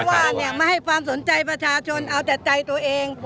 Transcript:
ก็บอกว่าเนี่ยมาให้ความสนใจประชาชนเอาแต่ใจตัวเอง